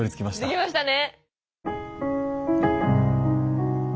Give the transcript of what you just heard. できましたね！